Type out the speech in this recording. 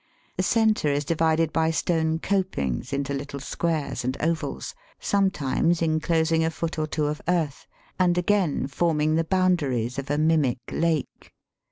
The centre is divided by stone copings into little squares and ovals, some times inclosing a foot or two of earth, and again forming the boundaries of a mimic lake.